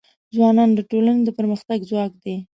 ځوانان د ټولنې د پرمختګ ځواک دی.